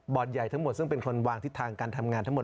ใหญ่ทั้งหมดซึ่งเป็นคนวางทิศทางการทำงานทั้งหมด